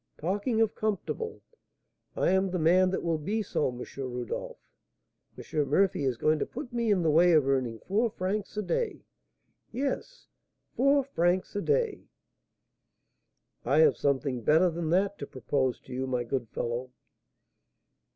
Talking of comfortable, I am the man that will be so, M. Rodolph! M. Murphy is going to put me in the way of earning four francs a day, yes, four francs a day!" "I have something better than that to propose to you, my good fellow."